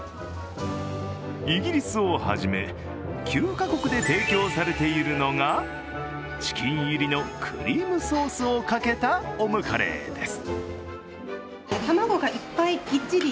イギリスをはじめ、９か国で提供されているのがチキン入りのクリームソースをかけたオムカレーです。